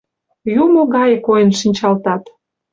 Юмо гае койын шинчалтат.